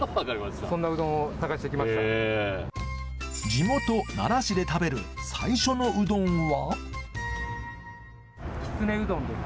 地元奈良市で食べる最初のうどんは？